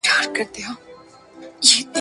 لکه شمع غوندي بل وي د دښمن پر زړه اور بل وي ..